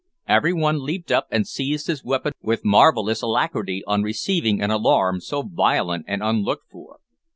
Every one leaped up and seized his weapon with marvellous alacrity on receiving an alarm so violent and unlooked for.